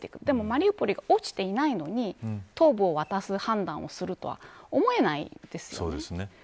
でもマリウポリが落ちていないのに東部を渡す判断をするとは思えないんですよね。